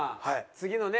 次のね